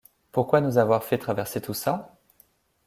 Pourquoi nous avoir fait traverser tout ça ?